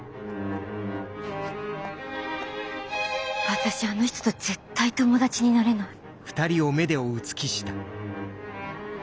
私あの人と絶対友達になれない。